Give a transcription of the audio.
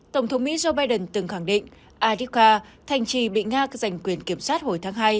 tổng thống mỹ joe biden từng khẳng định adica thành trì bị nga giành quyền kiểm soát hồi tháng hai